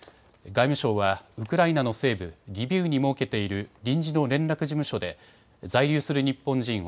外務省は、ウクライナの西部リビウに設けている臨時の連絡事務所で在留する日本人